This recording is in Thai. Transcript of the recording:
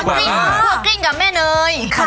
พวกกิ้งพวกกิ้งกับแม่เนยค่ะ